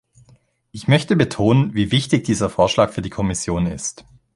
Ich möchte betonen, wie wichtig dieser Vorschlag für die Kommission ist.